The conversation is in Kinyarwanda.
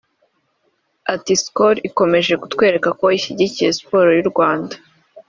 Ati ”Skol ikomeje kutwereka ko ishyigikiye siporo y’ u Rwanda